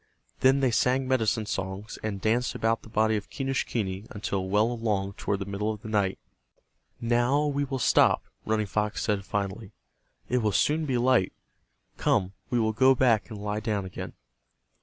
Then they sang medicine songs, and danced about the body of Quenischquney until well along toward the middle of the night. "Now we will stop," Running Fox said, finally, "It will soon be light. Come, we will go back and lie down again."